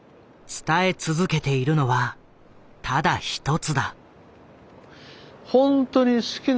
伝え続けているのはただ一つだ。